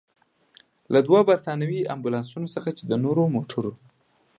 له دوو برتانوي امبولانسونو څخه، چې د نورو موټرو.